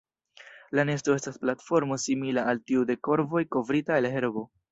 La nesto estas platformo simila al tiu de korvoj kovrita el herbo.